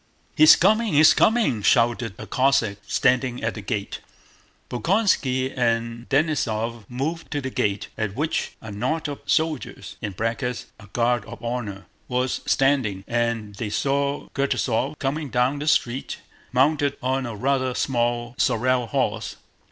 "He's coming! He's coming!" shouted a Cossack standing at the gate. Bolkónski and Denísov moved to the gate, at which a knot of soldiers (a guard of honor) was standing, and they saw Kutúzov coming down the street mounted on a rather small sorrel horse.